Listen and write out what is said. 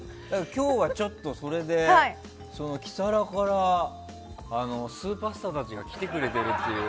今日は、ちょっとそれでキサラからスーパースターたちが来てくれているという。